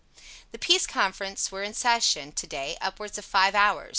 18 The Peace Conference were in session, to day, upwards of five hours.